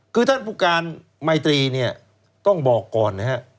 คือท่านผู้การไมตรีต้องบอกก่อน